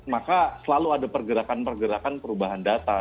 maka selalu ada pergerakan pergerakan perubahan data